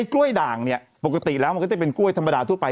กล้วยด่างเนี่ยปกติแล้วมันก็จะเป็นกล้วยธรรมดาทั่วไป